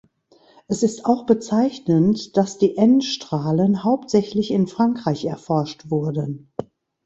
Es ist auch bezeichnend, dass die N-Strahlen hauptsächlich in Frankreich erforscht wurden.